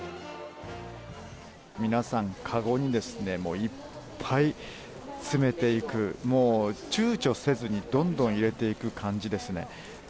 皆さん、かごにですね、もういっぱい詰めていく、もうちゅうちょせずにどんどん入れていく感じですね。